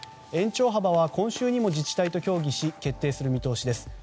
延長幅は今週にも自治体と協議し決定する見通しです。